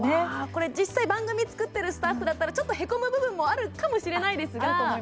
これ実際、番組作ってるスタッフだったら、へこむ部分もあるかもしれないですが。